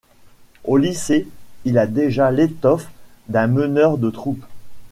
Au lycée il a déjà l'étoffe d'un meneur de troupe.